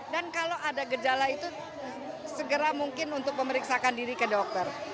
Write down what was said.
dan kalau ada gejala itu segera mungkin untuk memeriksakan diri ke dokter